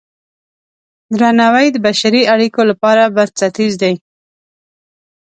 درناوی د بشري اړیکو لپاره بنسټیز دی.